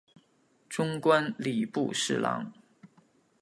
终官礼部侍郎。